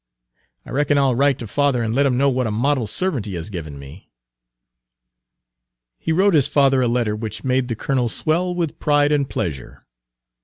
I reckon I'll write to father and let him know what a model servant he has given me." He wrote his father a letter which made the colonel swell with pride and pleasure.